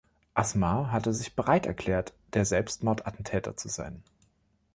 Asmar hatte sich bereit erklärt, der Selbstmordattentäter zu sein.